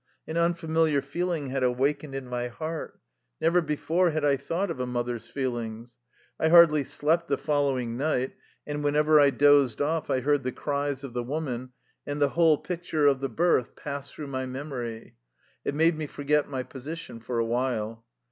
An unfamiliar feel ing had awakened in my heart. Never before had I thought of a mother's feelings. I hardly slept the following night, and whenever I dozed off, I heard the cries of the woman and the whole picture of the birth passed through my 233 THE LIFE STORY OF A RUSSIAN EXILE memory. It made me forget my position for awhile.